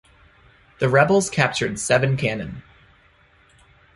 The rebels captured seven cannon.